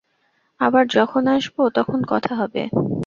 আবার যখন আসব, তখন কথা হবে।